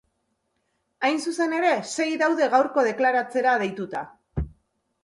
Hain zuzen ere, sei daude gaurko deklaratzea deituta.